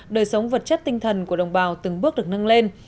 đời sống vật chất tinh thần của đồng bào từng bước được nâng lên